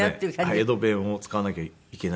江戸弁を使わなきゃいけない。